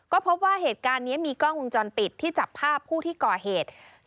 ก็พบว่าเหตุการณ์นี้มีกล้องวงจรปิดที่จับภาพผู้ที่ก่อเหตุ